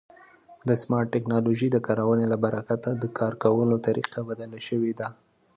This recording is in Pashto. د سمارټ ټکنالوژۍ د کارونې له برکته د کار کولو طریقه بدله شوې ده.